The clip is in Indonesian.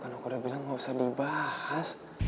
kan aku udah bilang gak usah dibahas